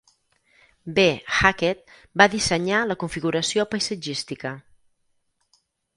B. Hackett va dissenyar la configuració paisatgística.